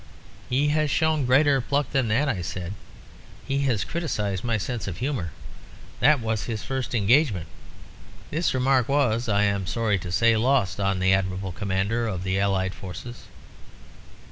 "'He has shown greater pluck than that,' I said. 'He has criticised my sense of humour. That was his first engagement.' "This remark was, I am sorry to say, lost on the admirable commander of the allied forces.